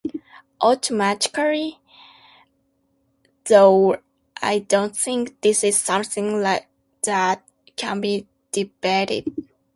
Ultimately though I don't think this is something that can be debated.